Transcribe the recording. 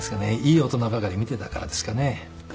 いい大人ばかり見てたからですかね。